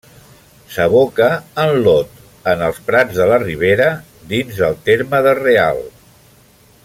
S'aboca en l'Aude en els Prats de la Ribera, dins del terme de Real.